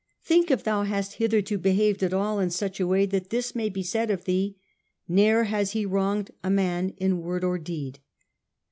Think if thou hast hitherto behaved to all in such a way that this may be said of thee. Ne'er has he wronged a man in word or deed.